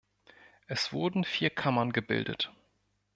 Es wurden vier Kammern gebildet.